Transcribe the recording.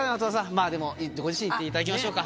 まぁでもご自身に言っていただきましょうか。